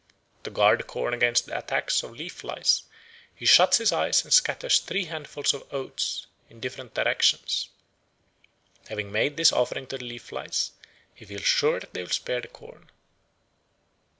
To guard the corn against the attacks of leaf flies he shuts his eyes and scatters three handfuls of oats in different directions. Having made this offering to the leaf flies he feels sure that they will spare the corn.